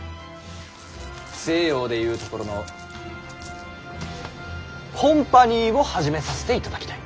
西洋でいうところの「コンパニー」を始めさせていただきたい。